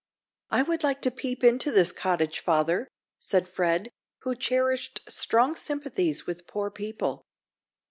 "I would like to peep into this cottage, father," said Fred, who cherished strong sympathies with poor people.